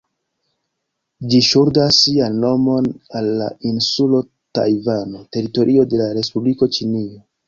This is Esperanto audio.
Ĝi ŝuldas sian nomon al la insulo Tajvano, teritorio de la Respubliko Ĉinio.